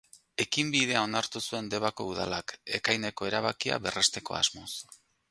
Ekinbidea onartu zuen Debako Udalak, ekaineko erabakia berresteko asmoz.